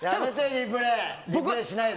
リプレイしないで！